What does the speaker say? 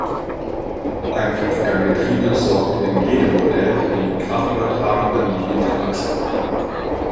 Ein Fünfgang-Getriebe sorgt in jedem Modell für die Kraftübertragung an die Hinterachse.